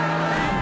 あ！